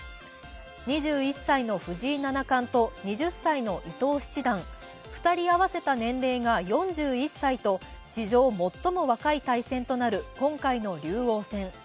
２１歳の藤井七冠と２０歳の伊藤七段２人合わせた年齢が４１歳と史上もっとも若い対戦となる今回の竜王戦。